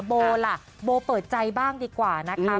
โบล่ะโบเปิดใจบ้างดีกว่านะคะ